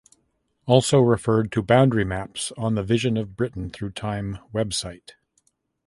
Also referred to Boundary Maps on the Vision of Britain Through Time website.